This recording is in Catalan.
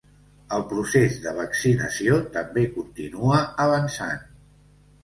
El procés de vaccinació també continua avançant.